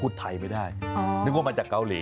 ไทยไม่ได้นึกว่ามาจากเกาหลี